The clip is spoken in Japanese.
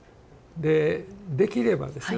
でできればですよ